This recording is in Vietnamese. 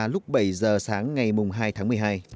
lúc bảy giờ sáng ngày hai tháng một mươi hai